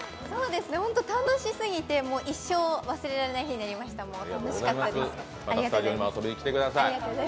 ホント感動しすぎて一生忘れられない日になりました楽しかったです。